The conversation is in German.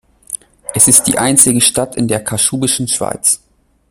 Es ist die einzige Stadt in der Kaschubischen Schweiz.